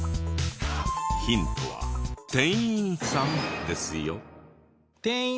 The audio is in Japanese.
ヒントは店員さんですよ。